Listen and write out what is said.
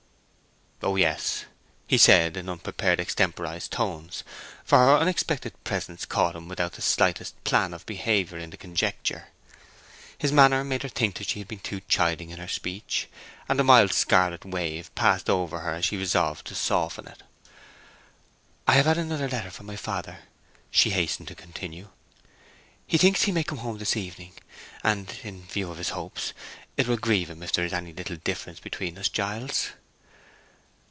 "Oh yes," he said, in unprepared, extemporized tones, for her unexpected presence caught him without the slightest plan of behavior in the conjuncture. His manner made her think that she had been too chiding in her speech; and a mild scarlet wave passed over her as she resolved to soften it. "I have had another letter from my father," she hastened to continue. "He thinks he may come home this evening. And—in view of his hopes—it will grieve him if there is any little difference between us, Giles."